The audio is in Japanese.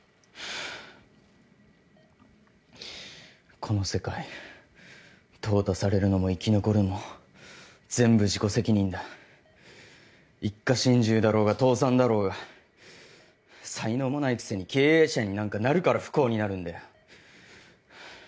この世界淘汰されるのも生き残るも全部自己責任だ一家心中だろうが倒産だろうが才能もないくせに経営者になんかなるから不幸になるんだよ